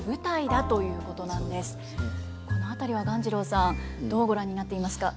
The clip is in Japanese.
この辺りは鴈治郎さんどうご覧になっていますか。